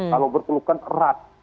kalau berpelukan erat